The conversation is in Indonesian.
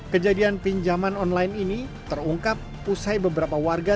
kejadian pinjaman online ini terungkap usai beberapa warga